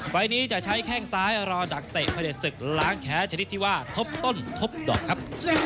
ไฟล์นี้จะใช้แข้งซ้ายรอดักเตะพระเด็จศึกล้างแค้นชนิดที่ว่าทบต้นทบดอกครับ